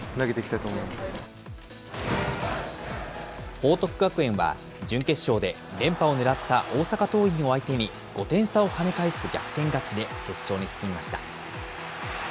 報徳学園は、準決勝で、連覇をねらった大阪桐蔭を相手に、５点差をはね返す逆転勝ちで決勝に進みました。